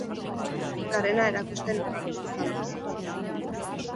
Garena erakusten izan da.